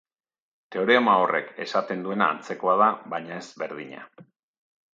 Teorema horrek esaten duena antzekoa da baina ez berdina.